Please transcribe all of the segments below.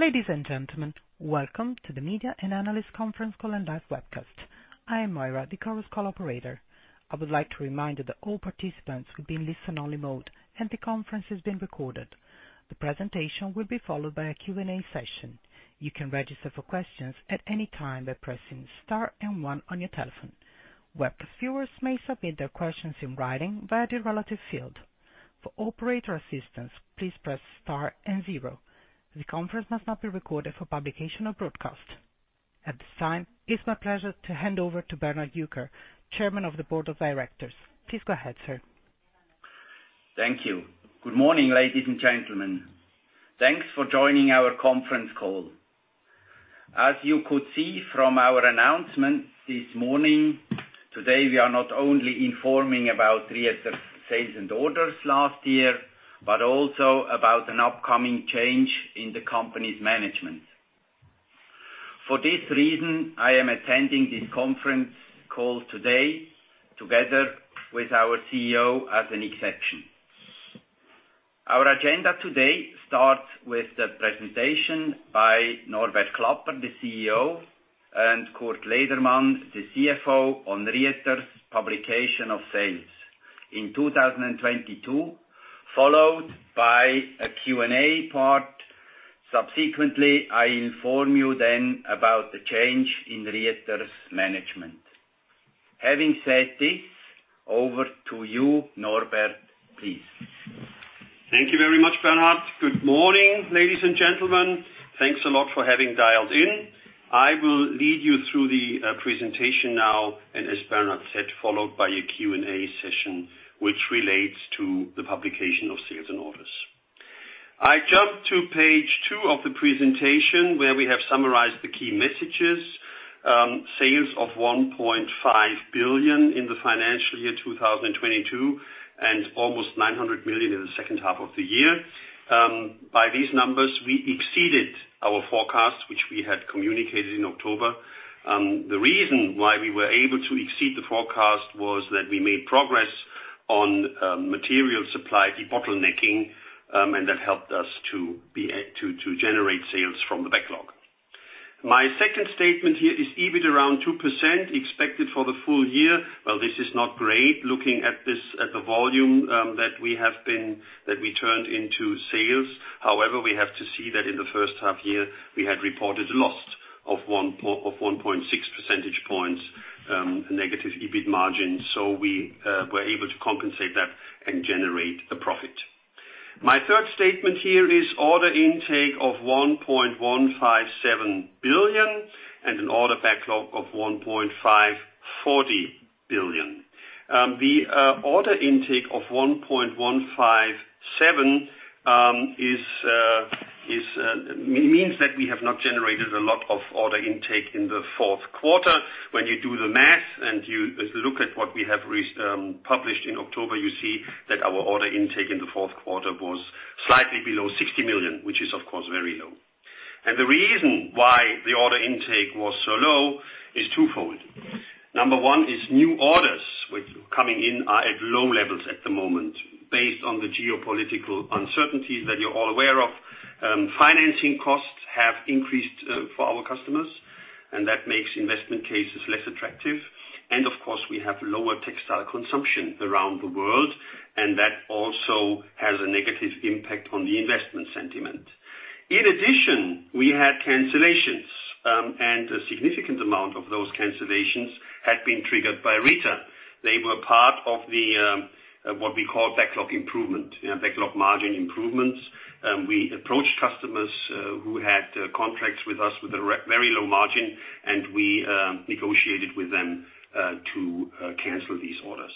Ladies and gentlemen, welcome to the Media and Analyst Conference Call and Live Webcast. I am Moira, the Chorus Call operator. I would like to remind you that all participants will be in listen only mode, and the conference is being recorded. The presentation will be followed by a Q&A session. You can register for questions at any time by pressing star and one on your telephone. Web viewers may submit their questions in writing via the relative field. For operator assistance, please press star and zero. The conference must not be recorded for publication or broadcast. At this time, it's my pleasure to hand over to Bernhard Jucker, Chairman of the Board of Directors. Please go ahead, sir. Thank you. Good morning, ladies and gentlemen. Thanks for joining our conference call. As you could see from our announcement this morning, today we are not only informing about Rieter sales and orders last year, but also about an upcoming change in the company's management. For this reason, I am attending this conference call today together with our CEO as an exception. Our agenda today starts with the presentation by Norbert Klapper, the CEO, and Kurt Ledermann, the CFO, on Rieter's publication of sales in 2022, followed by a Q&A part. I inform you then about the change in Rieter's management. Having said this, over to you, Norbert, please. Thank you very much, Bernhard. Good morning, ladies and gentlemen. Thanks a lot for having dialed in. I will lead you through the presentation now, and as Bernhard said, followed by a Q&A session which relates to the publication of sales and orders. I jump to page two of the presentation, where we have summarized the key messages. Sales of 1.5 billion in the financial year 2022, and almost 900 million in the second half of the year. By these numbers, we exceeded our forecast, which we had communicated in October. The reason why we were able to exceed the forecast was that we made progress on material supply, de-bottlenecking, and that helped us to generate sales from the backlog. My second statement here is EBIT around 2% expected for the full year. This is not great looking at this, at the volume that we turned into sales. However, we have to see that in the first half year we had reported a loss of 1.6 percentage points negative EBIT margin. We were able to compensate that and generate a profit. My third statement here is order intake of 1.157 billion and an order backlog of 1.540 billion. The order intake of 1.157 billion means that we have not generated a lot of order intake in the fourth quarter. When you do the math and you look at what we have published in October, you see that our order intake in the fourth quarter was slightly below 60 million, which is of course, very low. The reason why the order intake was so low is twofold. Number one is new orders, which coming in are at low levels at the moment, based on the geopolitical uncertainties that you're all aware of. Financing costs have increased for our customers, That makes investment cases less attractive. Of course, we have lower textile consumption around the world, That also has a negative impact on the investment sentiment. In addition, we had cancellations, A significant amount of those cancellations had been triggered by Rieter. They were part of the what we call backlog improvement. Yeah, backlog margin improvements. We approached customers who had contracts with us with a very low margin, and we negotiated with them to cancel these orders.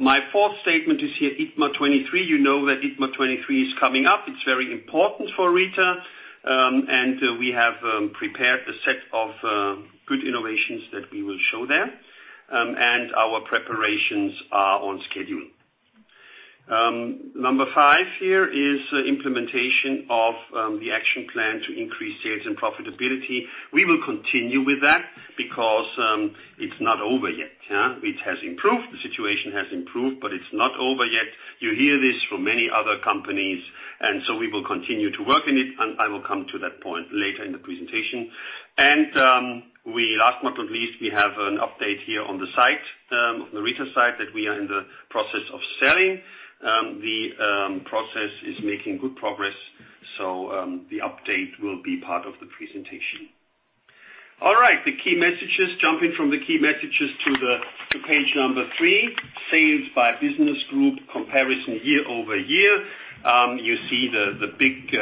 My fourth statement is here, ITMA 2023. You know that ITMA 2023 is coming up. It's very important for Rieter, and we have prepared a set of good innovations that we will show there. Our preparations are on schedule. Number five here is implementation of the action plan to increase sales and profitability. We will continue with that because it's not over yet, yeah. It has improved. The situation has improved, but it's not over yet. You hear this from many other companies, and so we will continue to work on it, and I will come to that point later in the presentation. Last but not least, we have an update here on the site, the Rieter site, that we are in the process of selling. The process is making good progress, the update will be part of the presentation. All right, the key messages. Jumping from the key messages to page number three, sales by business group, comparison year-over-year. You see the big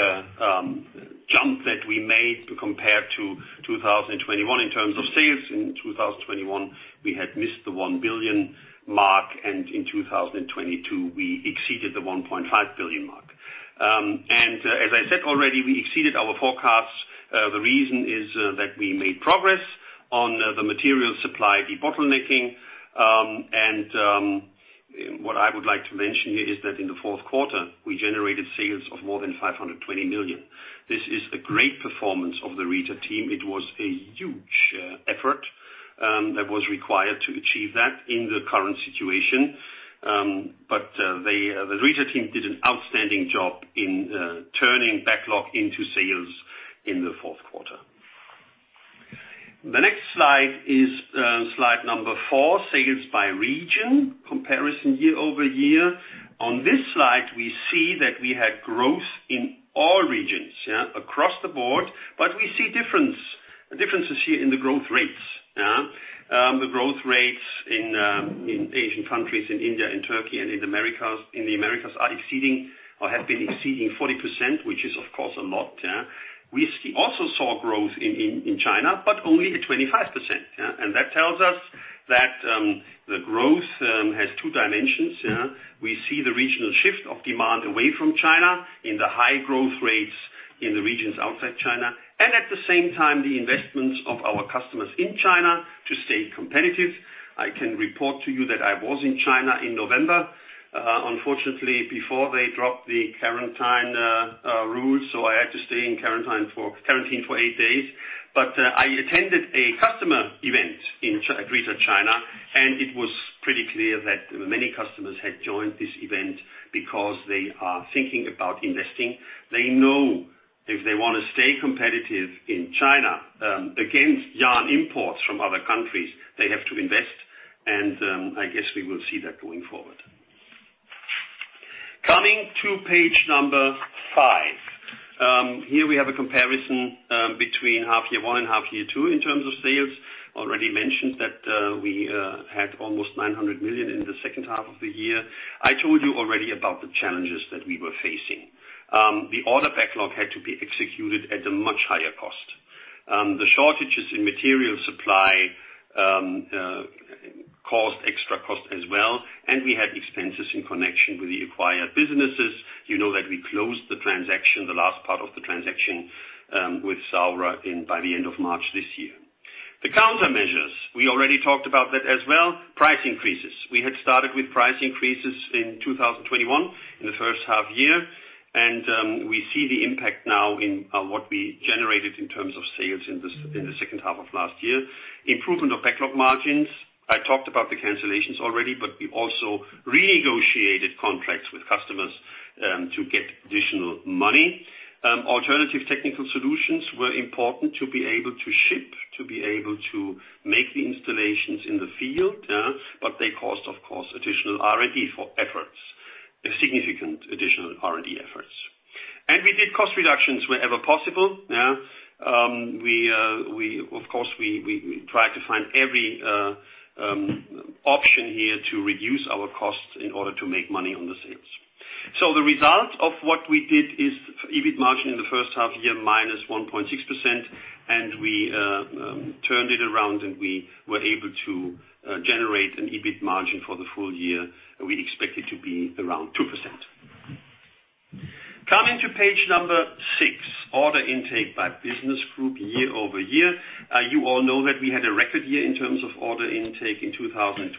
jump that we made compared to 2021 in terms of sales. In 2021, we had missed the 1 billion mark, and in 2022 we exceeded the 1.5 billion mark. As I said already, we exceeded our forecasts. The reason is that we made progress on the material supply de-bottlenecking. What I would like to mention here is that in the fourth quarter, we generated sales of more than 520 million. This is a great performance of the Rieter team. It was a huge effort. That was required to achieve that in the current situation. The Rieter team did an outstanding job in turning backlog into sales in the fourth quarter. The next slide is slide number four, sales by region, comparison year-over-year. On this slide, we see that we had growth in all regions across the board, but we see differences here in the growth rates. The growth rates in Asian countries, in India and Turkey and in Americas, in the Americas are exceeding or have been exceeding 40%, which is of course, a lot. We also saw growth in China, but only at 25%, yeah. That tells us that the growth has two dimensions, yeah. We see the regional shift of demand away from China in the high growth rates in the regions outside China, and at the same time, the investments of our customers in China to stay competitive. I can report to you that I was in China in November, unfortunately, before they dropped the quarantine rules, so I had to stay in quarantine for eight days. I attended a customer event at Rieter China, and it was pretty clear that many customers had joined this event because they are thinking about investing. They know if they wanna stay competitive in China, against yarn imports from other countries, they have to invest, and I guess we will see that going forward. Coming to page number five. Here we have a comparison between half year one and half year two in terms of sales. Already mentioned that we had almost 900 million in the second half of the year. I told you already about the challenges that we were facing. The order backlog had to be executed at a much higher cost. The shortages in material supply caused extra cost as well, and we had expenses in connection with the acquired businesses. You know that we closed the transaction, the last part of the transaction, with Saurer in by the end of March this year. The countermeasures, we already talked about that as well. Price increases. We had started with price increases in 2021 in the first half year, and we see the impact now in what we generated in terms of sales in the second half of last year. Improvement of backlog margins. I talked about the cancellations already, but we also renegotiated contracts with customers to get additional money. Alternative technical solutions were important to be able to ship, to be able to make the installations in the field, but they cost, of course, additional R&D for efforts, a significant additional R&D efforts. We did cost reductions wherever possible, yeah. We of course tried to find every option here to reduce our costs in order to make money on the sales. The result of what we did is EBIT margin in the first half year, -1.6%. We turned it around, and we were able to generate an EBIT margin for the full year. We expect it to be around 2%. Coming to page number six, order intake by business group year-over-year. You all know that we had a record year in terms of order intake in 2021.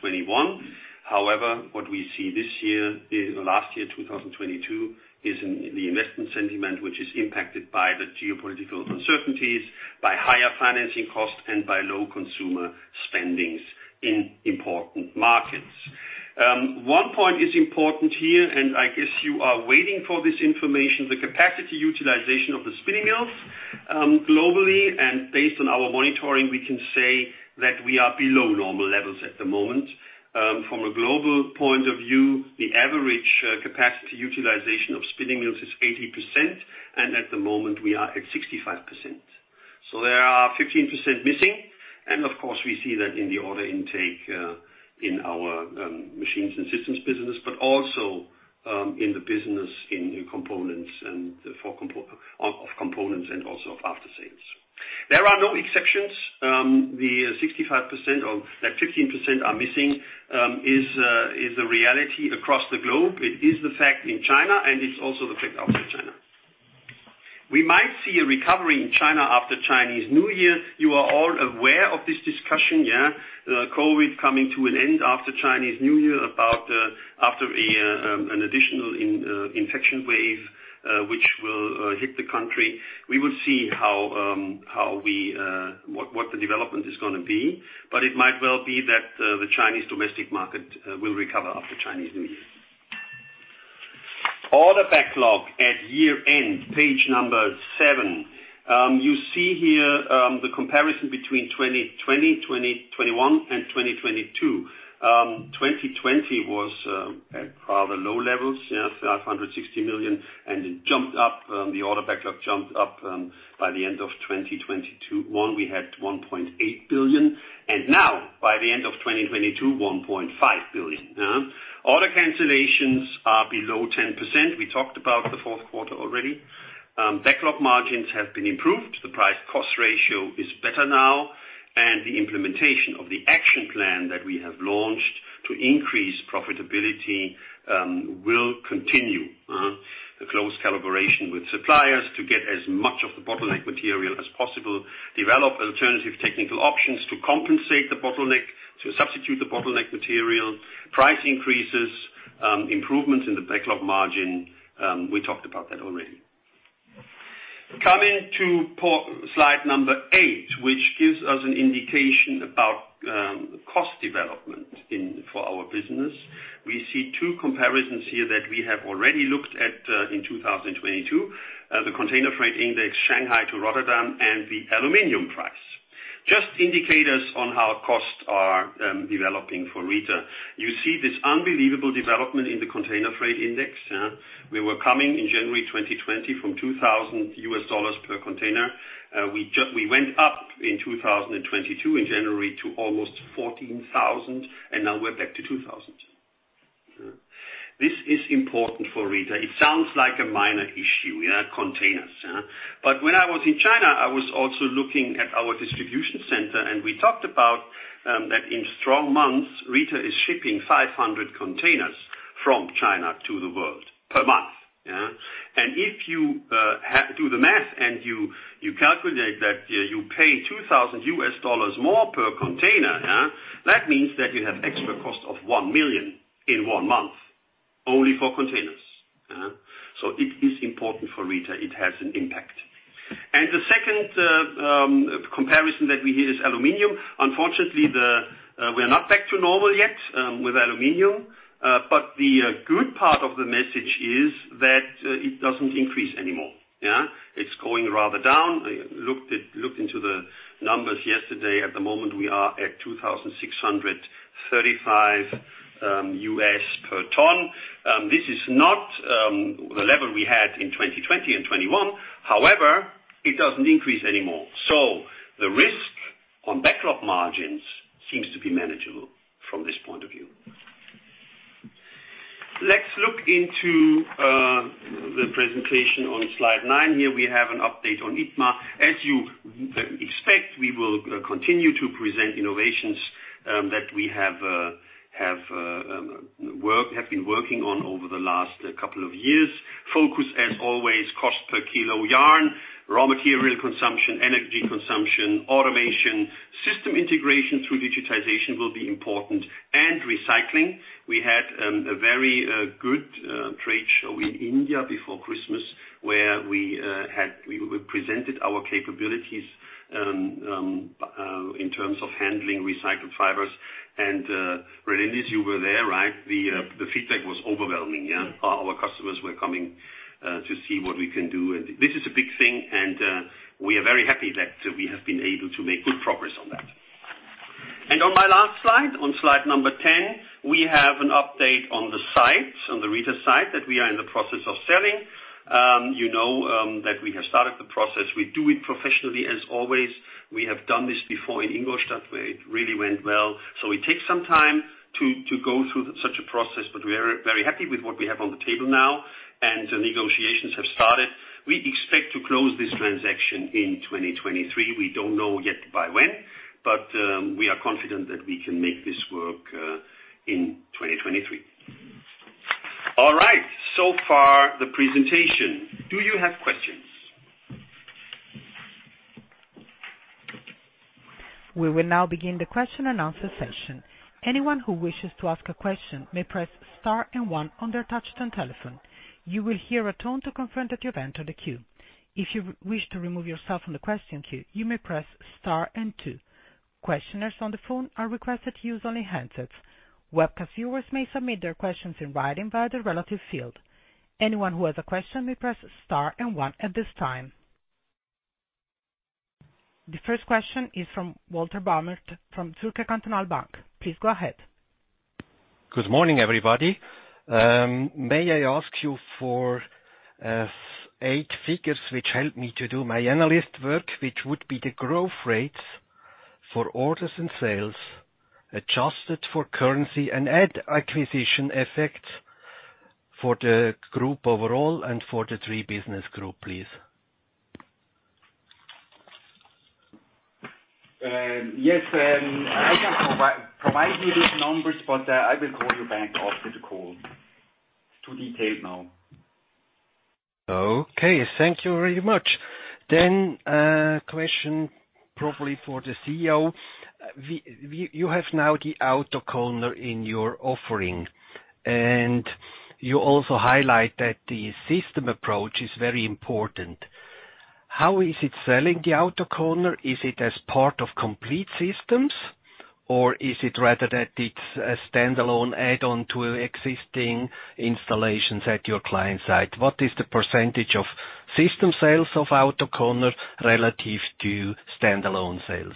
However, what we see this year, last year, 2022, is in the investment sentiment, which is impacted by the geopolitical uncertainties, by higher financing costs, and by low consumer spendings in important markets. One point is important here, and I guess you are waiting for this information, the capacity utilization of the spinning mills globally. Based on our monitoring, we can say that we are below normal levels at the moment. From a global point of view, the average capacity utilization of spinning mills is 80%. At the moment, we are at 65%. There are 15% missing. Of course we see that in the order intake in our Machines & Systems business, but also in the business in new components and for of components and also of after-sales. There are no exceptions. The 65% that 15% are missing is a reality across the globe. It is the fact in China. It's also the fact outside China. We might see a recovery in China after Chinese New Year. You are all aware of this discussion, yeah. COVID coming to an end after Chinese New Year, about after an additional infection wave, which will hit the country. We will see how what the development is gonna be, but it might well be that the Chinese domestic market will recover after Chinese New Year. Order backlog at year-end, page number seven. You see here the comparison between 2020, 2021, and 2022. 2020 was at rather low levels, yeah, 560 million, and it jumped up. The order backlog jumped up by the end of 2021, we had 1.8 billion, and now by the end of 2022, 1.5 billion. Order cancellations are below 10%. We talked about the fourth quarter already. Backlog margins have been improved. The price-cost ratio is better now, and the implementation of the action plan that we have launched to increase profitability will continue. The close collaboration with suppliers to get as much of the bottleneck material as possible, develop alternative technical options to compensate the bottleneck, to substitute the bottleneck material, price increases, improvement in the backlog margin, we talked about that already. Slide number eight, which gives us an indication about cost development in, for our business. We see two comparisons here that we have already looked at in 2022. The Container Freight Index Shanghai to Rotterdam and the aluminum price. Just indicators on how costs are developing for Rieter. You see this unbelievable development in the Container Freight Index. We were coming in January 2020 from $2,000 per container. We went up in 2022, in January, to almost $14,000, and now we're back to $2,000. This is important for Rieter. It sounds like a minor issue, yeah, containers. When I was in China, I was also looking at our distribution center and we talked about, that in strong months, Rieter is shipping 500 containers from China to the world, per month, yeah. If you do the math and you calculate that you pay $2,000 more per container, that means that you have extra cost of $1 million in one month, only for containers. It is important for Rieter. It has an impact. The second comparison that we hear is aluminum. Unfortunately, we're not back to normal yet with aluminum. The good part of the message is that it doesn't increase anymore. Yeah. It's going rather down. I looked into the numbers yesterday. At the moment, we are at $2,635 per ton. This is not the level we had in 2020 and 2021. However, it doesn't increase anymore. The risk on backlog margins seems to be manageable from this point of view. Let's look into the presentation on slide nine. Here we have an update on ITMA. As you expect, we will continue to present innovations that we have been working on over the last couple of years. Focus as always, cost per kilo yarn, raw material consumption, energy consumption, automation, system integration through digitization will be important, and recycling. We had a very good trade show in India before Christmas, where we presented our capabilities in terms of handling recycled fibers. Relindis, you were there, right? The feedback was overwhelming, yeah. Our customers were coming to see what we can do. This is a big thing and we are very happy that we have been able to make good progress on that. On my last slide, on slide 10, we have an update on the site, on the Rieter site, that we are in the process of selling. You know, that we have started the process. We do it professionally as always. We have done this before in Ingolstadt, where it really went well. It takes some time to go through such a process, but we are very happy with what we have on the table now, and negotiations have started. We expect to close this transaction in 2023. We don't know yet by when, but we are confident that we can make this work in 2023. All right, so far the presentation. Do you have questions? We will now begin the Q&A session. Anyone who wishes to ask a question may press star and one on their touch tone telephone. You will hear a tone to confirm that you've entered the queue. If you wish to remove yourself from the question queue, you may press star and two. Questioners on the phone are requested to use only handsets. Webcast viewers may submit their questions in writing via the relative field. Anyone who has a question may press star and one at this time. The first question is from Walter Baumgartner from Zürcher Kantonalbank. Please go ahead. Good morning, everybody. May I ask you for eight figures which help me to do my analyst work, which would be the growth rates for orders and sales, adjusted for currency and add acquisition effect for the group overall and for the three business group, please? Yes. I can provide you these numbers, but, I will call you back after the call. It's too detailed now. Okay. Thank you very much. Question probably for the CEO. You have now the Autoconer in your offering, and you also highlight that the system approach is very important. How is it selling the Autoconer? Is it as part of complete systems or is it rather that it's a standalone add-on to existing installations at your client site? What is the percentage of system sales of Autoconer relative to standalone sales?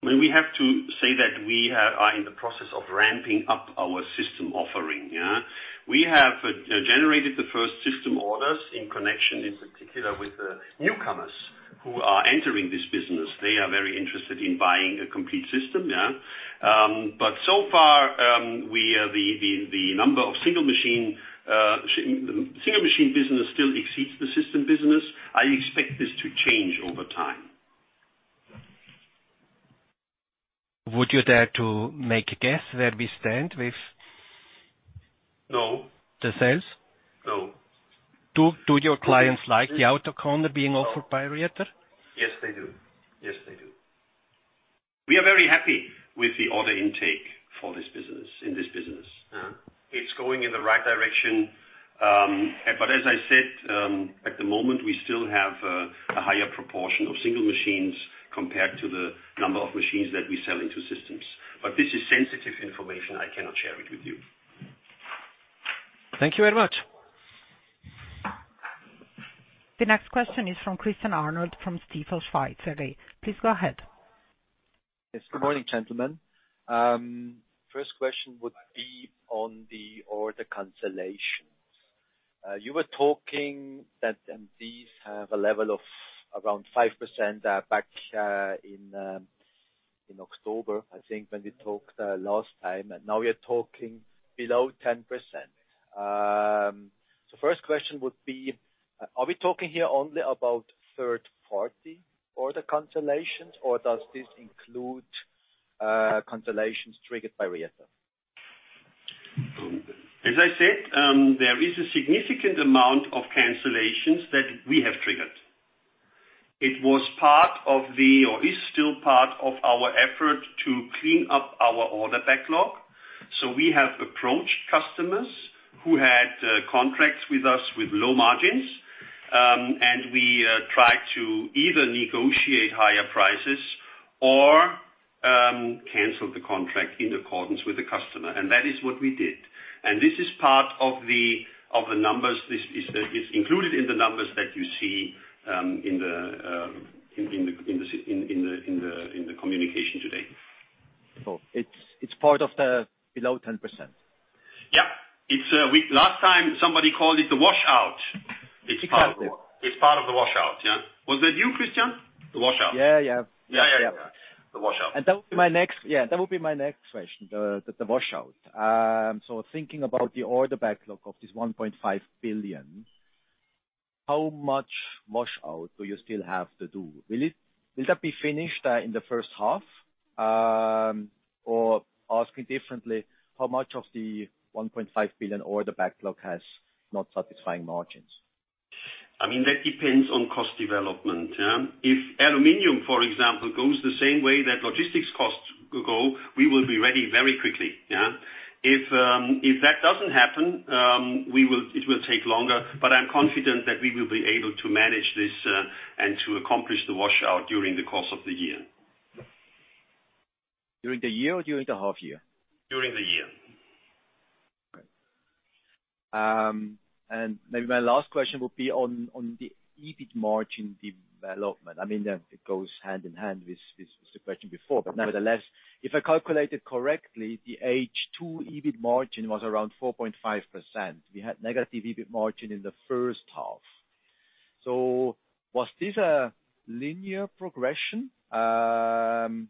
Well, we are in the process of ramping up our system offering, yeah. We have generated the first system orders in connection, in particular with the newcomers who are entering this business. They are very interested in buying a complete system, yeah. So far, we, the number of single machine business still exceeds the system business. I expect this to change over time. Would you dare to make a guess where we stand? No. The sales? No. Do your clients like the Autoconer being offered by Rieter? Yes, they do. We are very happy with the order intake for this business, in this business. It's going in the right direction, but as I said, at the moment, we still have a higher proportion of single machines compared to the number of machines that we sell into systems. This is sensitive information, I cannot share it with you. Thank you very much. The next question is from Christian Arnold from Stifel Schweiz. Please go ahead. Yes. Good morning, gentlemen. First question would be on the order cancellations. You were talking that these have a level of around 5% back in October, I think, when we talked last time, and now we are talking below 10%. First question would be, are we talking here only about third-party order cancellations, or does this include cancellations triggered by Rieter? I said, there is a significant amount of cancellations that we have triggered. It was part of the, or is still part of our effort to clean up our order backlog. We have approached customers who had contracts with us with low margins, and we try to either negotiate higher prices or cancel the contract in accordance with the customer. That is what we did. This is part of the numbers. It's included in the numbers that you see in the communication today. it's part of the below 10%? Yeah. It's Last time, somebody called it the wash-out. Exactly. It's part of the wash-out, yeah. Was that you, Christian? The wash-out. Yeah, yeah. Yeah, yeah. The wash-out. That would be my next question, the wash-out. Thinking about the order backlog of this 1.5 billion, how much wash-out do you still have to do? Will that be finished in the first half? Or asking differently, how much of the 1.5 billion order backlog has not satisfying margins? I mean, that depends on cost development, yeah. If aluminum, for example, goes the same way that logistics costs go, we will be ready very quickly, yeah. If that doesn't happen, it will take longer, but I'm confident that we will be able to manage this and to accomplish the wash-out during the course of the year. During the year or during the half year? During the year. All right. Maybe my last question would be on the EBIT margin development. I mean, it goes hand in hand with this question before. Nevertheless, if I calculated correctly, the H2 EBIT margin was around 4.5%. We had negative EBIT margin in the first half. Was this a linear progression in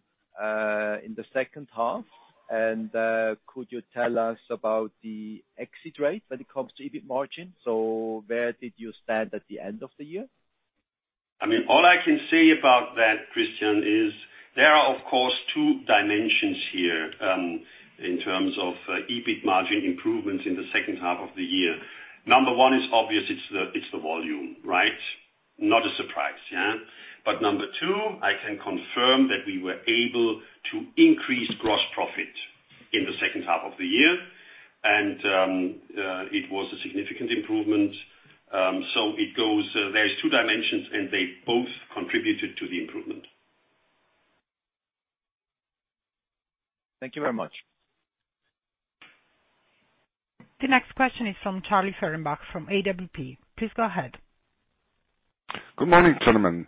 the second half? Could you tell us about the exit rate when it comes to EBIT margin? Where did you stand at the end of the year? I mean, all I can say about that, Christian, is there are, of course, two dimensions here, in terms of EBIT margin improvements in the second half of the year. Number one is obvious, it's the volume, right? Not a surprise, yeah. Number two, I can confirm that we were able to increase gross profit in the second half of the year. It was a significant improvement. There is two dimensions, and they both contributed to the improvement. Thank you very much. The next question is from Christian Ferenbach from AWP. Please go ahead. Good morning, gentlemen.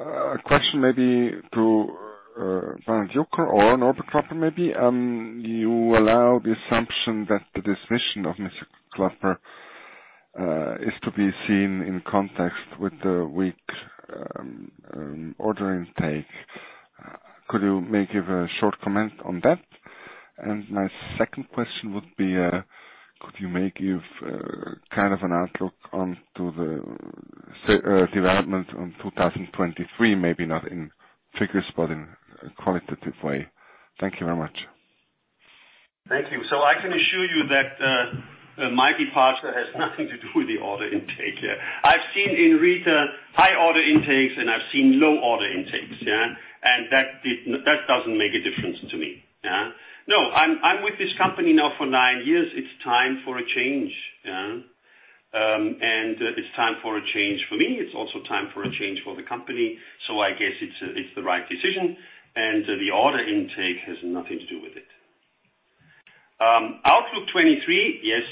A question maybe to Bernhard Jucker or Norbert Klapper, maybe. Do you allow the assumption that the dismissal of Mr. Klapper is to be seen in context with the weak order intake? Could you maybe give a short comment on that? My second question would be, could you maybe give kind of an outlook onto the development on 2023, maybe not in figures, but in a qualitative way. Thank you very much. Thank you. I can assure you that my departure has nothing to do with the order intake. I've seen in Rieter high order intakes, and I've seen low order intakes, yeah. That doesn't make a difference to me, yeah. No, I'm with this company now for nine years. It's time for a change, yeah. It's time for a change for me. It's also time for a change for the company. I guess it's the right decision, and the order intake has nothing to do with it. Outlook 2023. Yes,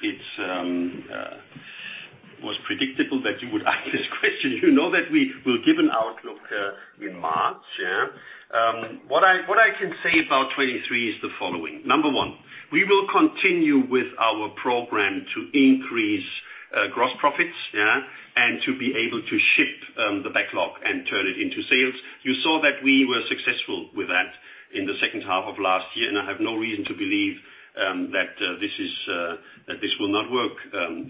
it's predictable that you would ask this question. You know that we will give an outlook in March, yeah. What I can say about 2023 is the following. Number one, we will continue with our program to increase gross profits, yeah, and to be able to shift the backlog and turn it into sales. You saw that we were successful with that in the second half of last year. I have no reason to believe that this will not work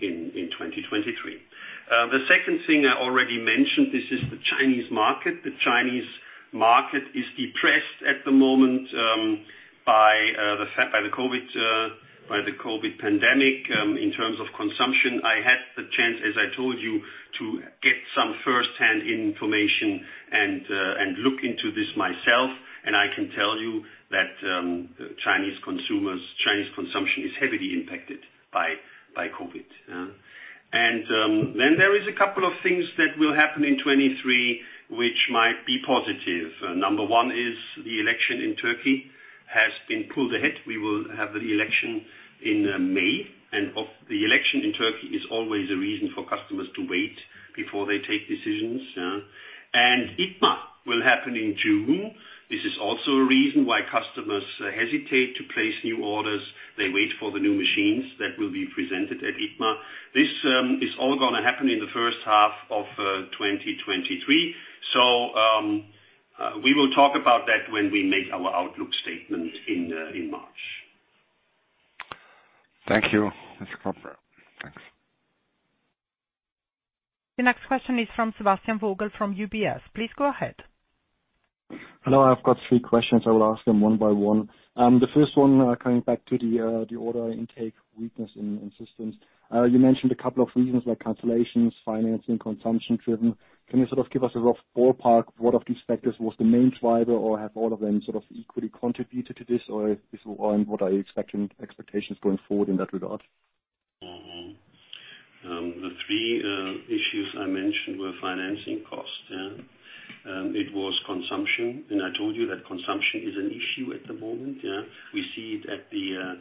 in 2023. The second thing I already mentioned, this is the Chinese market. The Chinese market is depressed at the moment by the COVID pandemic in terms of consumption. I had the chance, as I told you, to get firsthand information and look into this myself, and I can tell you that Chinese consumption is heavily impacted by COVID, yeah. Then there is a couple of things that will happen in 23 which might be positive. Number one is the election in Turkey has been pulled ahead. We will have the election in May, and of the election in Turkey is always a reason for customers to wait before they take decisions, yeah. ITMA will happen in June. This is also a reason why customers hesitate to place new orders. They wait for the new machines that will be presented at ITMA. This is all gonna happen in the first half of 2023. We will talk about that when we make our outlook statement in March. Thank you, Mr. Klapper. Thanks. The next question is from Sebastian Vogel from UBS. Please go ahead. Hello, I've got three questions. I will ask them one by one. The first one, coming back to the order intake weakness in systems. You mentioned a couple of reasons like cancellations, financing, consumption-driven. Can you sort of give us a rough ballpark of what of these factors was the main driver, or have all of them sort of equally contributed to this, or is what are you expecting-- expectations going forward in that regard? The three issues I mentioned were financing costs. It was consumption, and I told you that consumption is an issue at the moment. We see it at the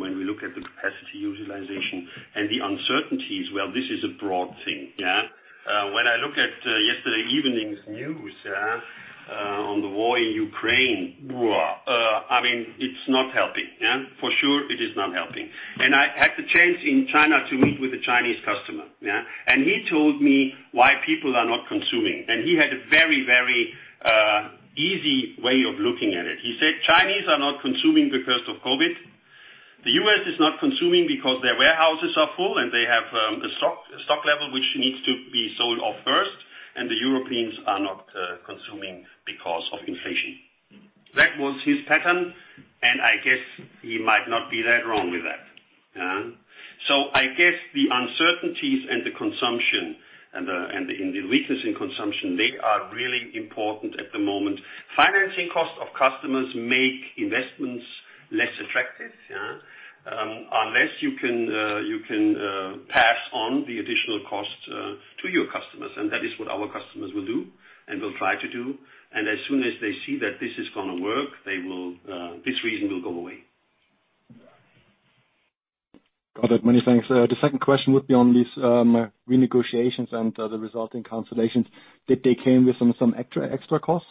when we look at the capacity utilization and the uncertainties, well, this is a broad thing. When I look at yesterday evening's news on the war in Ukraine. I mean, it's not helping. For sure, it is not helping. I had the chance in China to meet with a Chinese customer, and he told me why people are not consuming. He had a very, very easy way of looking at it. He said, "Chinese are not consuming because of COVID. The U.S. is not consuming because their warehouses are full, and they have a stock level which needs to be sold off first, and the Europeans are not consuming because of inflation. That was his pattern, I guess he might not be that wrong with that. Yeah? I guess the uncertainties and the consumption and the weakness in consumption, they are really important at the moment. Financing costs of customers make investments less attractive, unless you can you can pass on the additional costs to your customers. That is what our customers will do and will try to do. As soon as they see that this is gonna work, they will this reason will go away. Got it. Many thanks. The second question would be on these re-negotiations and the resulting cancellations. Did they came with some extra costs?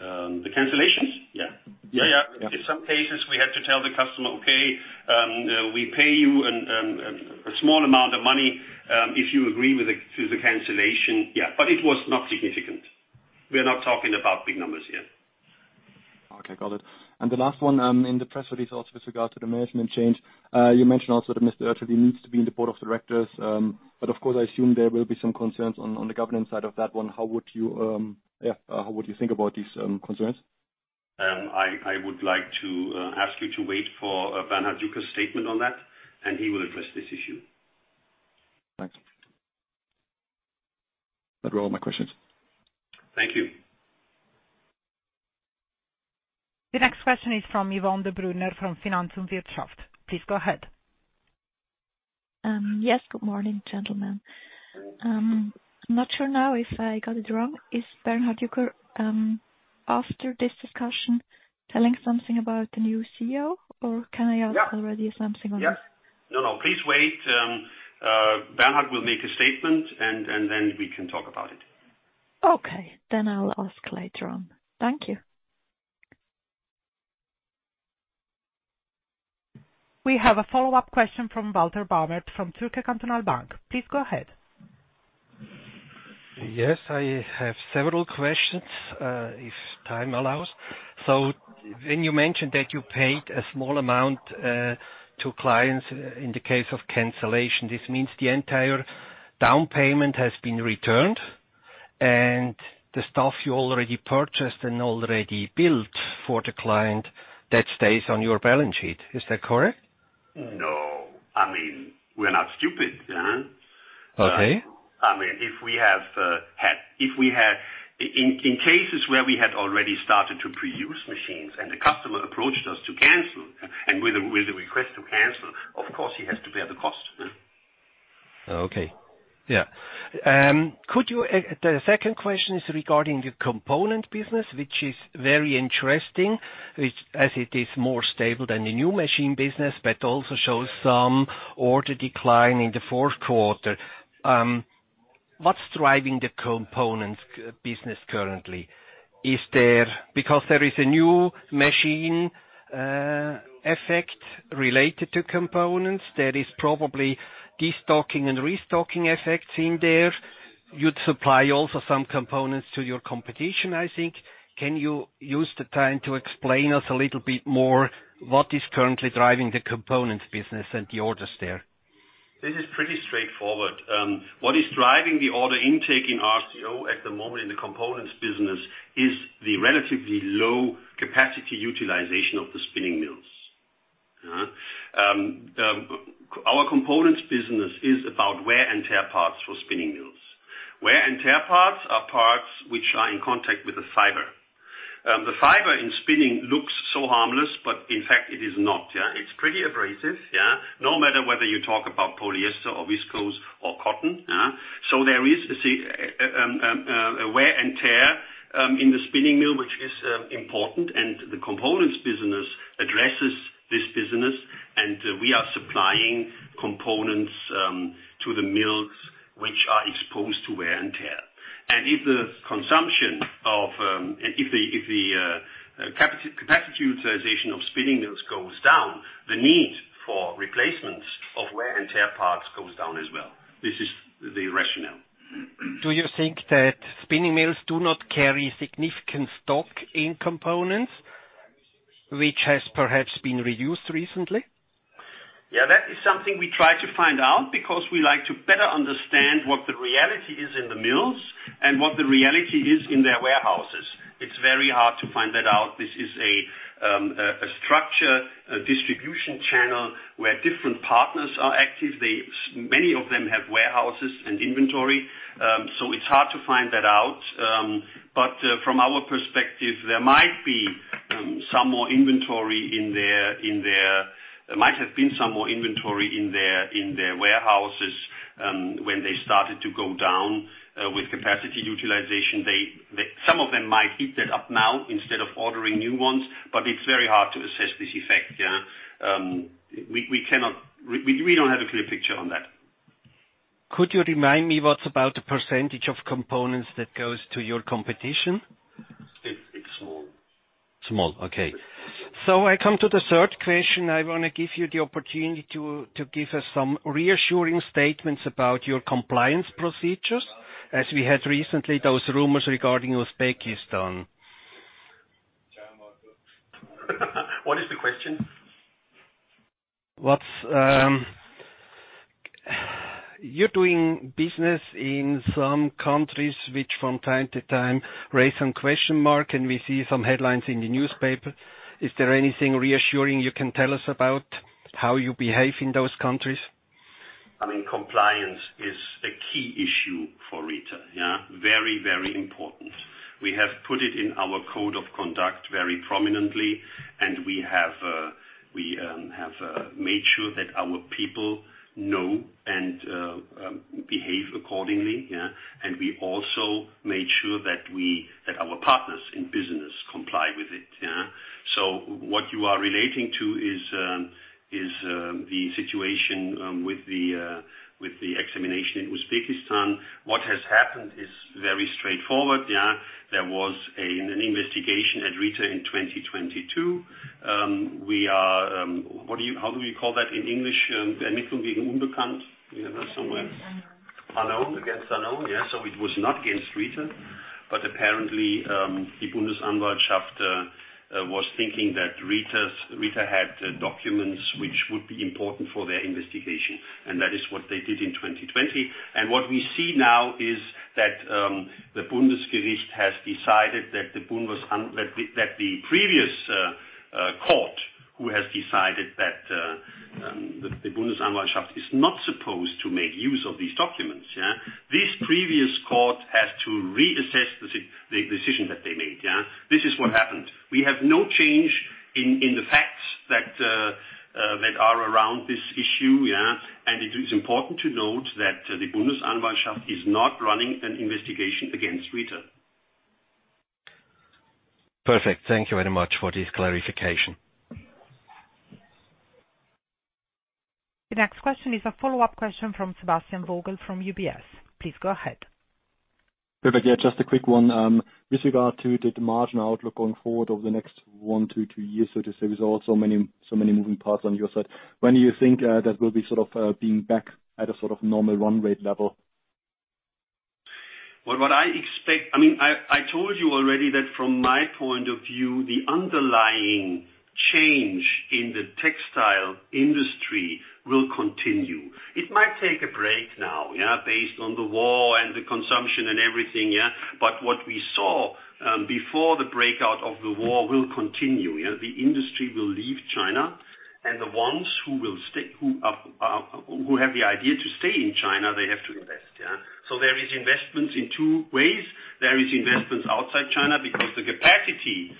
The cancellations? Yeah. Yeah, yeah. Yeah. In some cases, we had to tell the customer, "Okay, we pay you a small amount of money, if you agree to the cancellation." Yeah, it was not significant. We're not talking about big numbers here. Okay, got it. The last one, in the press release also with regard to the management change, you mentioned also that Mr. Oetterli needs to be in the Board of Directors, but of course I assume there will be some concerns on the governance side of that one. How would you, yeah, how would you think about these concerns? I would like to ask you to wait for Bernhard Jucker's statement on that, and he will address this issue. Thanks. That were all my questions. Thank you. The next question is from Yvonne Debrunner from Finanz und Wirtschaft. Please go ahead. Yes. Good morning, gentlemen. I'm not sure now if I got it wrong. Is Bernhard Jucker, after this discussion, telling something about the new CEO? Yeah. Already something on this? No, no, please wait. Bernhard will make a statement and then we can talk about it. Okay. I'll ask later on. Thank you. We have a follow-up question from Walter Baumgartner from Zürcher Kantonalbank. Please go ahead. Yes, I have several questions, if time allows. When you mentioned that you paid a small amount to clients in the case of cancellation, this means the entire down payment has been returned and the stuff you already purchased and already built for the client, that stays on your balance sheet. Is that correct? No. I mean, we're not stupid, yeah. Okay. I mean, In cases where we had already started to pre-use machines and the customer approached us to cancel, and with a request to cancel, of course, he has to bear the cost. Okay. Yeah. Could you. The second question is regarding the component business, which is very interesting, which as it is more stable than the new machine business, but also shows some order decline in the fourth quarter. What's driving the components business currently? There is a new machine, effect related to components, there is probably de-stocking and restocking effects in there. You'd supply also some components to your competition, I think. Can you use the time to explain us a little bit more what is currently driving the components business and the orders there? This is pretty straightforward. What is driving the order intake in RCO at the moment in the components business is the relatively low capacity utilization of the spinning mills. Our components business is about wear and tear parts for spinning mills. Wear and tear parts are parts which are in contact with the fiber. The fiber in spinning looks so harmless, but in fact it is not. It's pretty abrasive. No matter whether you talk about polyester or viscose or cotton. There is a wear and tear in the spinning mill, which is important, and the components business addresses this business. We are supplying components to the mills which are exposed to wear and tear. If the consumption of... If the capacity utilization of spinning mills goes down, the need for replacements of wear and tear parts goes down as well. This is the rationale. Do you think that spinning mills do not carry significant stock in components which has perhaps been reduced recently? Yeah, that is something we try to find out because we like to better understand what the reality is in the mills and what the reality is in their warehouses. It's very hard to find that out. This is a structure, a distribution channel where different partners are active. Many of them have warehouses and inventory, so it's hard to find that out. From our perspective, there might be some more inventory. There might have been some more inventory in their warehouses, when they started to go down with capacity utilization. Some of them might eat that up now instead of ordering new ones, but it's very hard to assess this effect, yeah. We cannot. We don't have a clear picture on that. Could you remind me what's about the percentage of components that goes to your competition? It's small. Small. Okay. I come to the third question. I wanna give you the opportunity to give us some reassuring statements about your compliance procedures, as we had recently those rumors regarding Uzbekistan. What is the question? You're doing business in some countries which from time to time raise some question mark. We see some headlines in the newspaper. Is there anything reassuring you can tell us about how you behave in those countries? I mean, compliance is a key issue for Rieter, yeah. Very, very important. We have put it in our code of conduct very prominently, and we have made sure that our people know and behave accordingly, yeah. We also made sure that our partners in business comply with it, yeah. What you are relating to is the situation with the examination in Uzbekistan. What has happened is very straightforward, yeah. There was an investigation at Rieter in 2022. We are... How do you call that in English? der Mittel wegen unbekannt. You know that somewhere? Against unknown. Unknown. Against unknown, yeah. It was not against Rieter. Apparently, the Bundesanwaltschaft was thinking that Rieter had documents which would be important for their investigation. That is what they did in 2020. What we see now is that the Bundesgericht has decided that the previous court, who has decided that the Bundesanwaltschaft is not supposed to make use of these documents, yeah. This previous court has to reassess the decision that they made, yeah. This is what happened. We have no change in the facts that are around this issue, yeah. It is important to note that the Bundesanwaltschaft is not running an investigation against Rieter. Perfect. Thank you very much for this clarification. The next question is a follow-up question from Sebastian Vogel from UBS. Please go ahead. Perfect. Just a quick one. With regard to the margin outlook going forward over the next one to two years, so to say. There's also many, so many moving parts on your side. When do you think that will be sort of being back at a sort of normal run rate level? What I expect... I mean, I told you already that from my point of view, the underlying change in the textile industry will continue. It might take a break now, yeah, based on the war and the consumption and everything, yeah. What we saw before the breakout of the war will continue, yeah. The industry will leave China. The ones who will stay, who have the idea to stay in China, they have to invest, yeah. There is investments in two ways. There is investments outside China, because the capacity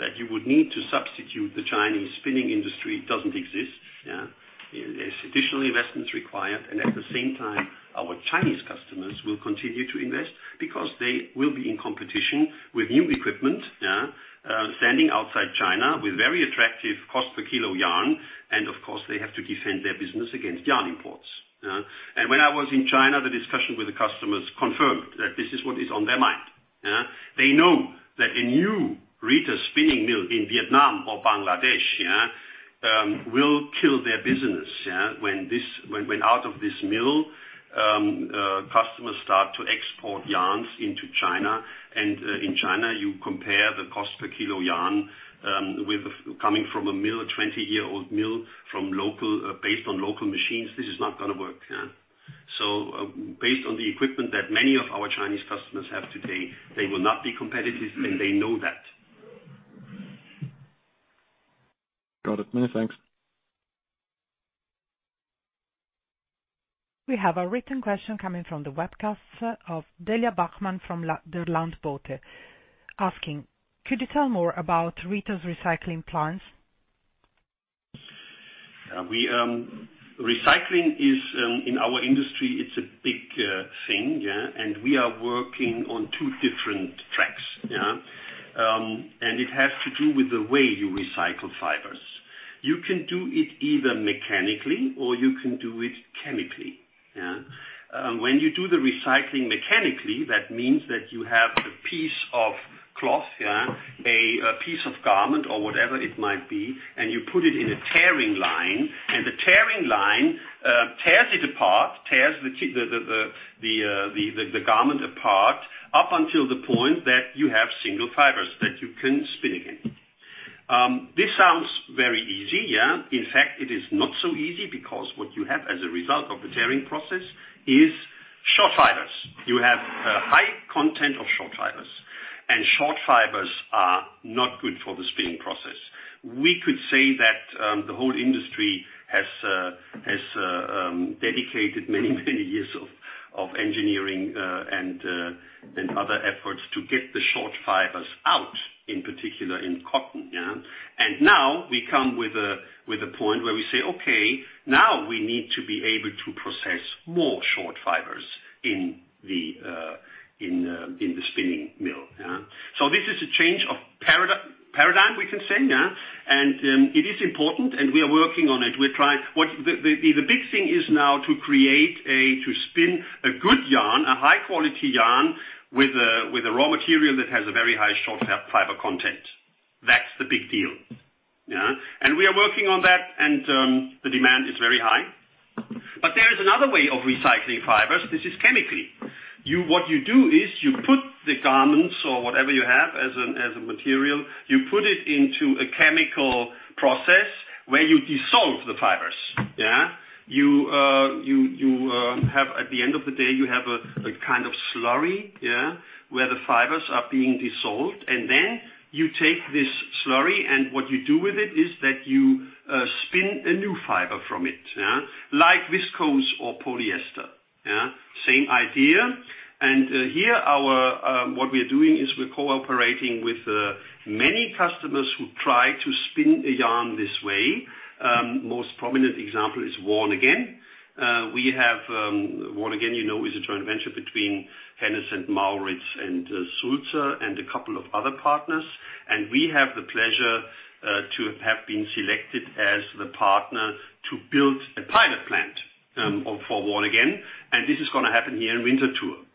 that you would need to substitute the Chinese spinning industry doesn't exist, yeah. There's additional investments required, and at the same time, our Chinese customers will continue to invest because they will be in competition with new equipment, yeah, standing outside China with very attractive cost per kilo yarn. Of course, they have to defend their business against yarn imports, yeah. When I was in China, the discussion with the customers confirmed that this is what is on their mind, yeah. They know that a new Rieter spinning mill in Vietnam or Bangladesh, yeah, will kill their business, yeah, when out of this mill, customers start to export yarns into China. In China, you compare the cost per kilo yarn with coming from a mill, a 20-year-old mill. This is not going to work, yeah. Based on the equipment that many of our Chinese customers have today, they will not be competitive, and they know that. Got it. Many thanks. We have a written question coming from the webcast of Delia Bachmann from Der Landbote asking, "Could you tell more about Rieter's recycling plans? Recycling is in our industry, it's a big thing. We are working on two different tracks. It has to do with the way you recycle fibers. You can do it either mechanically or you can do it chemically. When you do the recycling mechanically, that means that you have a piece of cloth, a piece of garment or whatever it might be, and you put it in a tearing line, and the tearing line tears it apart. Tears the garment apart up until the point that you have single fibers that you can spin again. This sounds very easy. In fact, it is not so easy because what you have as a result of the tearing process is short fibers. You have a high content of short fibers, and short fibers are not good for the spinning process. We could say that the whole industry has dedicated many, many years of engineering and other efforts to get the short fibers out, in particular in cotton. Now we come with a point where we say, "Okay, now we need to be able to process more short fibers in the spinning mill." This is a change of paradigm we can say. It is important and we are working on it. We're trying. What the big thing is now to spin a good yarn, a high-quality yarn with a raw material that has a very high short fiber content. That's the big deal. Yeah. We are working on that, and the demand is very high. There is another way of recycling fibers. This is chemically. What you do is you put the garments or whatever you have as a material, you put it into a chemical process where you dissolve the fibers. Yeah. You at the end of the day, you have a kind of slurry, yeah, where the fibers are being dissolved. You take this slurry, and what you do with it is that you spin a new fiber from it, yeah. Like viscose or polyester, yeah. Same idea. Here our what we're doing is we're cooperating with many customers who try to spin a yarn this way. Most prominent example is Worn Again. We have... Worn Again, you know, is a joint venture between Hennes & Mauritz and Sulzer and a couple of other partners. We have the pleasure to have been selected as the partner to build a pilot plant for Worn Again. This is gonna happen here in Winterthur.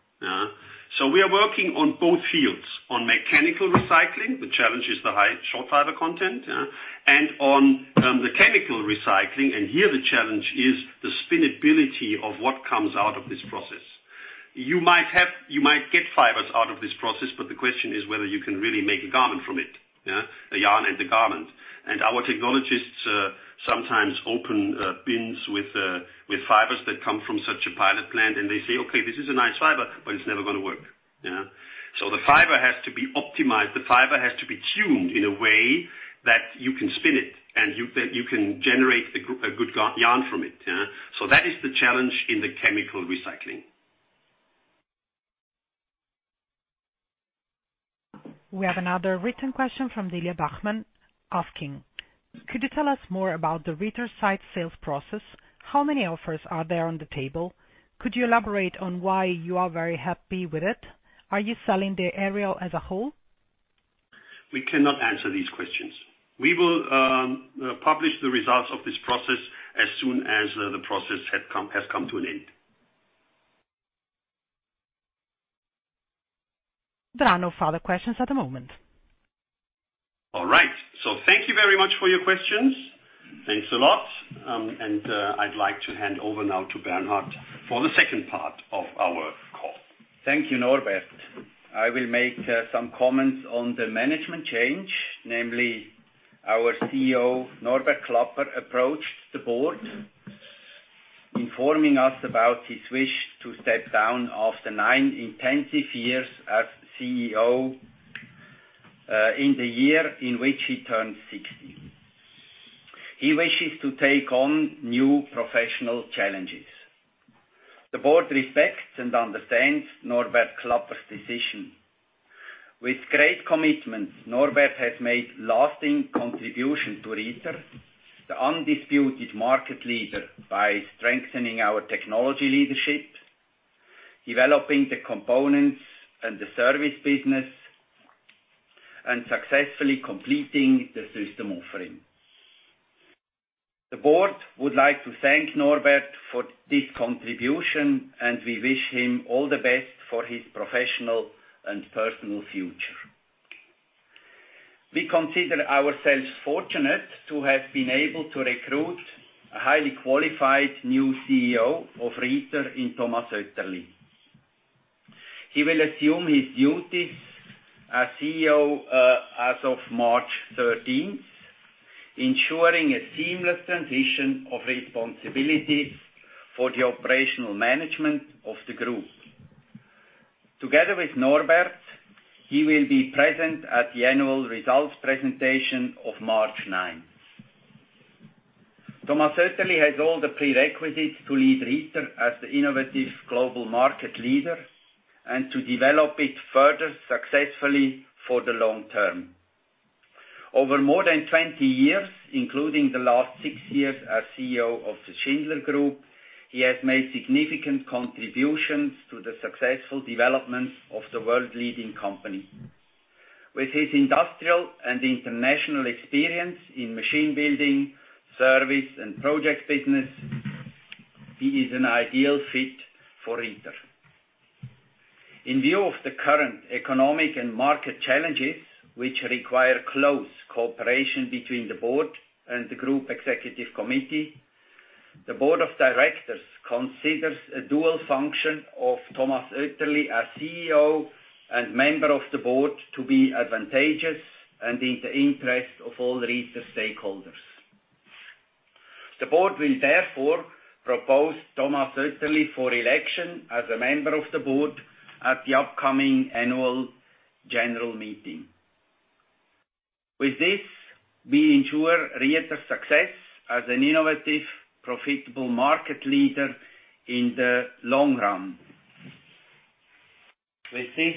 Yeah. We are working on both fields. On mechanical recycling, the challenge is the high short fiber content. Yeah. On the chemical recycling, and here the challenge is the spin ability of what comes out of this process. You might get fibers out of this process, but the question is whether you can really make a garment from it. A yarn and a garment. Our technologists, sometimes open bins with fibers that come from such a pilot plant, and they say, "Okay, this is a nice fiber, but it's never gonna work." Yeah. The fiber has to be optimized. The fiber has to be tuned in a way that you can spin it and that you can generate a good yarn from it, yeah. That is the challenge in the chemical recycling. We have another written question from Delia Bachmann asking, "Could you tell us more about the Rieter site sales process? How many offers are there on the table? Could you elaborate on why you are very happy with it? Are you selling the area as a whole? We cannot answer these questions. We will publish the results of this process as soon as the process has come to an end. There are no further questions at the moment. All right. Thank you very much for your questions. Thanks a lot. I'd like to hand over now to Bernhard for the second part of our call. Thank you, Norbert. I will make some comments on the management change, namely our CEO, Norbert Klapper, approached the board, informing us about his wish to step down after nine intensive years as CEO, in the year in which he turned 60. He wishes to take on new professional challenges. The board respects and understands Norbert Klapper's decision. With great commitment, Norbert has made lasting contribution to Rieter, the undisputed market leader, by strengthening our technology leadership, developing the components and the service business, and successfully completing the system offering. The board would like to thank Norbert for this contribution, and we wish him all the best for his professional and personal future. We consider ourselves fortunate to have been able to recruit a highly qualified new CEO of Rieter in Thomas Oetterli. He will assume his duties as CEO as of March 13th, ensuring a seamless transition of responsibility for the operational management of the group. Together with Norbert, he will be present at the annual results presentation of March 9th. Thomas Oetterli has all the prerequisites to lead Rieter as the innovative global market leader and to develop it further successfully for the long term. Over more than 20 years, including the last six years as CEO of the Schindler Group, he has made significant contributions to the successful development of the world-leading company. With his industrial and international experience in machine building, service, and project business, he is an ideal fit for Rieter. In view of the current economic and market challenges, which require close cooperation between the Board and the group Executive Committee, the Board of Directors considers a dual function of Thomas Oetterli as CEO and member of the Board to be advantageous and in the interest of all Rieter stakeholders. The Board will therefore propose Thomas Oetterli for election as a member of the Board at the upcoming annual general meeting. With this, we ensure Rieter's success as an innovative, profitable market leader in the long run. With this,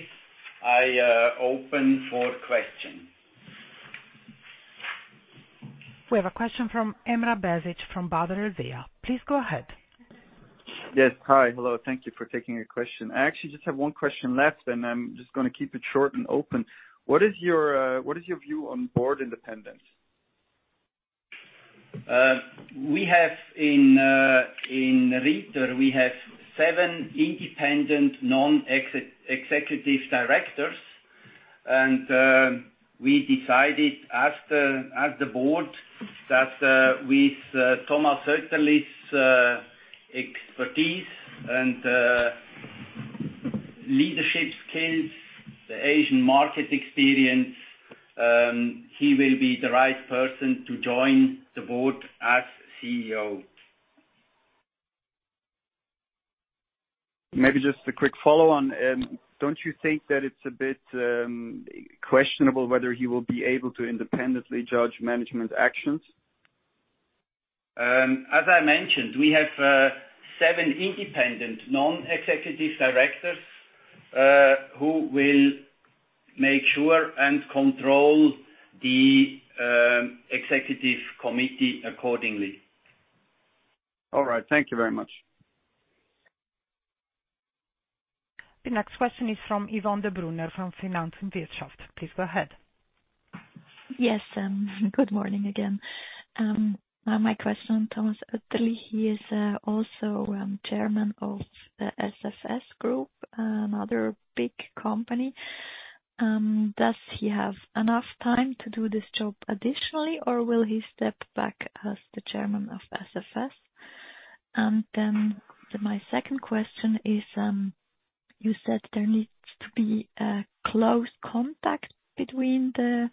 I open for questions. We have a question from Emrah Basic from Baader Helvea. Please go ahead. Yes. Hi. Hello. Thank you for taking a question. I actually just have one question left, and I'm just gonna keep it short and open. What is your view on board independence? We have in Rieter, we have seven independent non-executive directors. We decided as the board that with Thomas Oetterli's expertise and leadership skills, the Asian market experience, he will be the right person to join the Board as CEO. Maybe just a quick follow-on. Don't you think that it's a bit questionable whether he will be able to independently judge management actions? As I mentioned, we have seven independent non-executive directors, who will make sure and control the executive committee accordingly. All right. Thank you very much. The next question is from Yvonne Debrunner from Finanz und Wirtschaft. Please go ahead. Yes, good morning again. My question, Thomas Oetterli, he is also Chairman of the SFS Group, another big company. Does he have enough time to do this job additionally, or will he step back as the Chairman of SFS? My second question is, you said there needs to be a close contact between the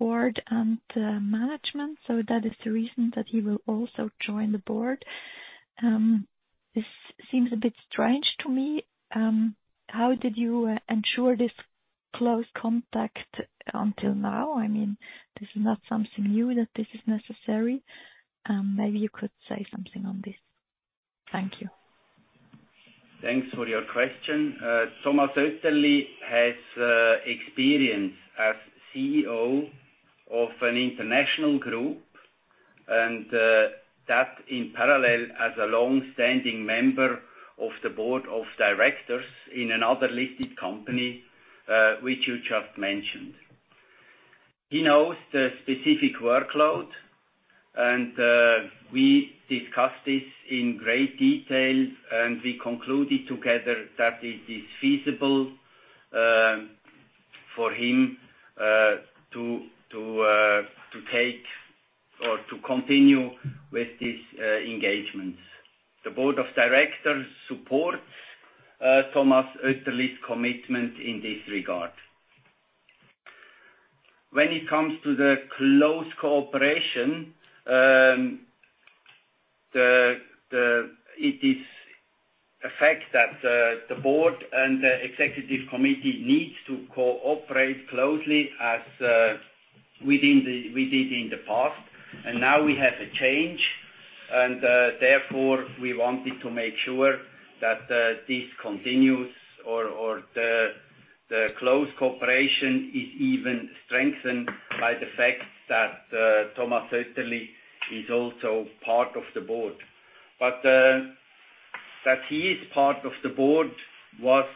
board and management, so that is the reason that he will also join the board. This seems a bit strange to me. How did you ensure this close contact until now? I mean, this is not something new that this is necessary. Maybe you could say something on this. Thank you. Thanks for your question. Thomas Oetterli has experience as CEO of an international group and that in parallel as a long-standing member of the Board of Directors in another listed company, which you just mentioned. He knows the specific workload, and we discussed this in great detail, and we concluded together that it is feasible for him to take or to continue with his engagements. The Board of Directors supports Thomas Oetterli's commitment in this regard. When it comes to the close cooperation, it is a fact that the board and the Executive Committee needs to cooperate closely as we did in the past. We have a change, therefore, we wanted to make sure that this continues or the close cooperation is even strengthened by the fact that Thomas Oetterli is also part of the board. That he is part of the board was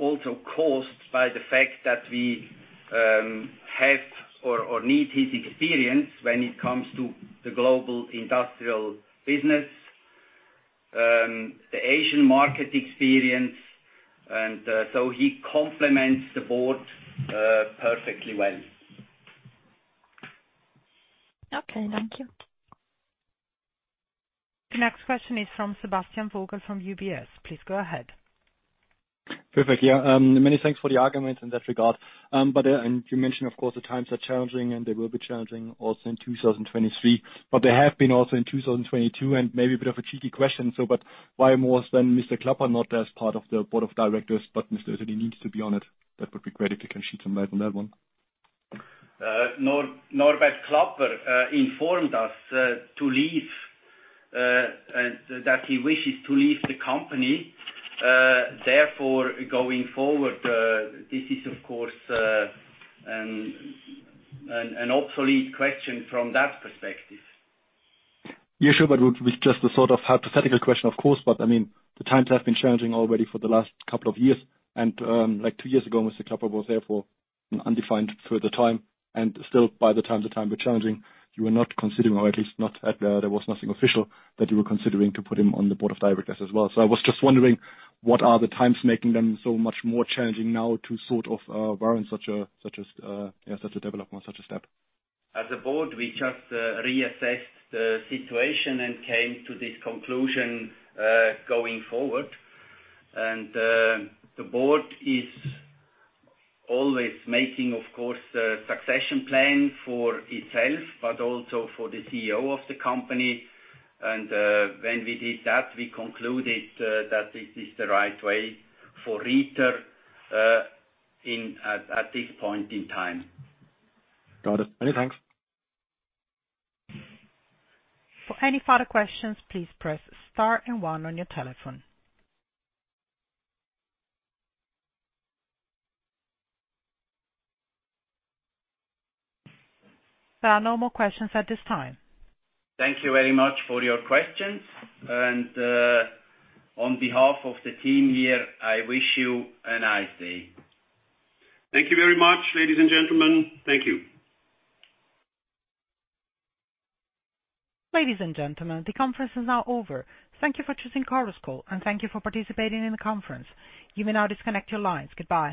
also caused by the fact that we have or need his experience when it comes to the Global Industrial business, the Asian market experience, he complements the board perfectly well. Okay, thank you. The next question is from Sebastian Vogel from UBS. Please go ahead. Perfect. Yeah. Many thanks for the arguments in that regard. You mentioned of course the times are challenging and they will be challenging also in 2023. They have been also in 2022, and maybe a bit of a tricky question, why more so than Mr. Klapper not as part of the Board of Directors, but Mr. Oetterli needs to be on it? That would be great if you can shed some light on that one. Norbert Klapper informed us to leave, and that he wishes to leave the company, therefore going forward. This is of course an obsolete question from that perspective. Yeah, sure. With just a sort of hypothetical question, of course. I mean, the times have been challenging already for the last couple of years and, like two years ago, Mr. Klapper was therefore undefined for the time and still by the time the times were challenging, you were not considering or at least not, there was nothing official that you were considering to put him on the Board of Directors as well. I was just wondering what are the times making them so much more challenging now to sort of, warrant such a development, such a step? As a board, we just reassessed the situation and came to this conclusion going forward. The board is always making, of course, a succession plan for itself, but also for the CEO of the company. When we did that, we concluded that this is the right way for Rieter at this point in time. Got it. Many thanks. For any further questions, please press star and one on your telephone. There are no more questions at this time. Thank you very much for your questions. On behalf of the team here, I wish you a nice day. Thank you very much, ladies and gentlemen. Thank you. Ladies and gentlemen, the conference is now over. Thank you for choosing Chorus Call, and thank you for participating in the conference. You may now disconnect your lines. Goodbye.